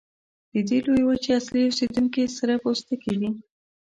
د دې لویې وچې اصلي اوسیدونکي سره پوستکي دي.